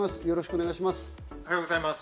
よろしくお願いします。